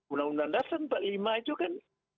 undang undang dasar empat puluh lima itu kan